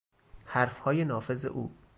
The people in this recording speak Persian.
حرفهای نافذ او